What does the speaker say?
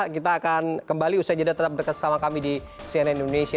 kita akan kembali usai jadah tetap berkesan sama kami di cnn indonesia